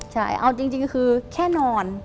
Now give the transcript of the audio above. ใช่เอาจริงคือแค่นอน